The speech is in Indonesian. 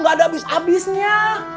gak ada abis abisnya